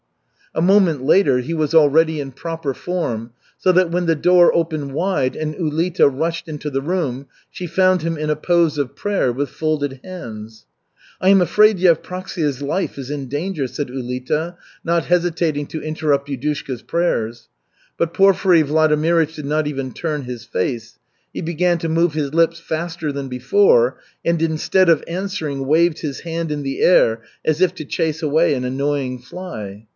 A moment later he was already in "proper form," so that when the door opened wide and Ulita rushed into the room, she found him in a pose of prayer with folded hands. "I am afraid Yevpraksia's life is in danger," said Ulita, not hesitating to interrupt Yudushka's prayers. But Porfiry Vladimirych did not even turn his face; he began to move his lips faster than before, and instead of answering waved his hand in the air as if to chase away an annoying fly.